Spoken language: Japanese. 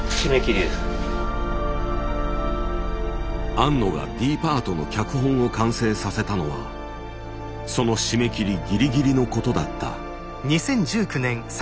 庵野がＤパートの脚本を完成させたのはその締め切りギリギリのことだった。